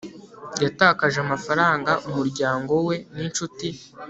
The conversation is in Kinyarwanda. yatakaje amafaranga, umuryango we n'inshuti